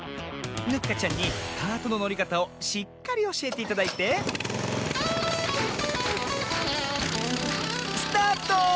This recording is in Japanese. ヌッカちゃんにカートののりかたをしっかりおしえていただいてスタート！